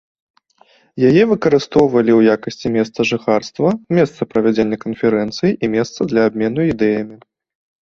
Яе выкарыстоўвалі ў якасці месца жыхарства, месца правядзення канферэнцый і месца для абмену ідэямі.